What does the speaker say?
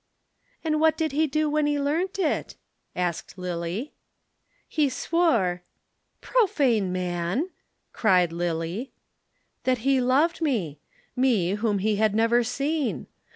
"And what did he do when he learnt it?" asked Lillie. "He swore " "Profane man!" cried Lillie. "That he loved me me whom he had never seen.